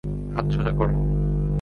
হাত সোজা করো।